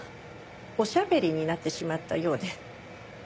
おしゃべりになってしまったようで。